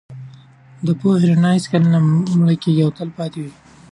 د پوهې رڼا هېڅکله نه مړکېږي او تل پاتې ده.